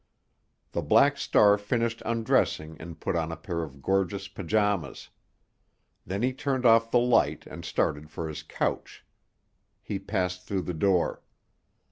The Black Star finished undressing and put on a pair of gorgeous pajamas. Then he turned off the light and started for his couch. He passed through the door.